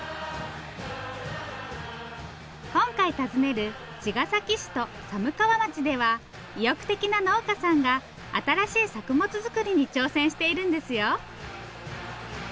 今回訪ねる茅ヶ崎市と寒川町では意欲的な農家さんが新しい作物作りに挑戦しているんですよ。